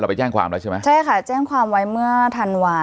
ไปแจ้งความแล้วใช่ไหมใช่ค่ะแจ้งความไว้เมื่อธันวา